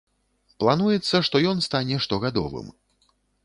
Плануецца, што ён стане штогадовым.